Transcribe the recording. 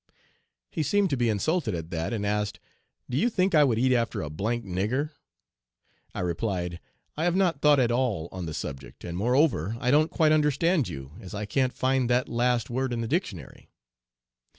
He seemed to be insulted at that, and asked: 'Do you think I would eat after a d d Nigger?' I replied: 'I have not thought at all on the subject, and, moreover, I don't quite understand you, as I can't find that last word in the dictionary.'